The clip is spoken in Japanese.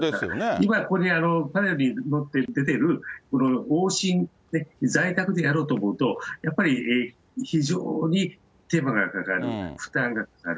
今、これかなり持って出てる往診、在宅でやろうと思うと、やっぱり非常に手間がかかる、負担がかかる。